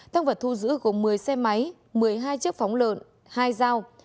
thăng vật thu giữ gồm một mươi xe máy một mươi hai chiếc phóng lợn hai dao